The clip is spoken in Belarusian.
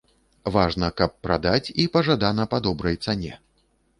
Важна, каб прадаць, і пажадана па добрай цане.